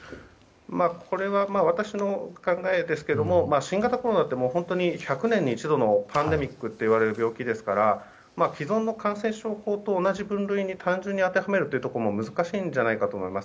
これは私の考えですが新型コロナって１００年に一度のパンデミックといわれる病気で既存の感染症法と同じ分類に単純に当てはめるのも難しいんじゃないかと思います。